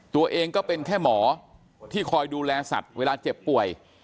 ตัวเองก็เป็นแค่หมอที่คอยดูแลสัตว์เวลาเจ็บป่วย